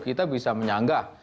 kita bisa menyanggah